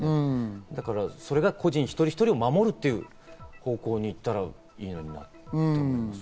だからそれが個人一人一人を守るという方向に行ったらいいのになって思います。